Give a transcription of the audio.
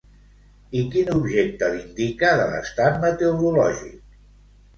I quin objecte l'indica de l'estat meteorològic?